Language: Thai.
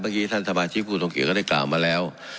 เมื่อกี้ท่านสมัครชีพภูตงกิจก็ได้กล่าวมาแล้ว